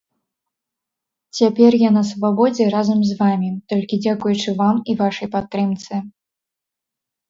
Цяпер я на свабодзе разам з вамі, толькі дзякуючы вам і вашай падтрымцы.